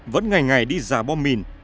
vẫn ngày ngày đi giả bom mìn